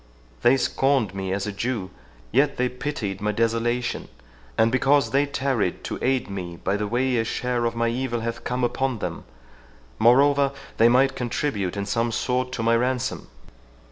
They scorned me as a Jew, yet they pitied my desolation, and because they tarried to aid me by the way, a share of my evil hath come upon them; moreover, they may contribute in some sort to my ransom."